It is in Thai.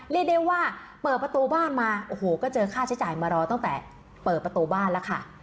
เรียกได้ว่าเปิดประตูบ้านมาโอ้โหก็เจอค่าใช้จ่ายมารอตั้งแต่เปิดประตูบ้านแล้วค่ะ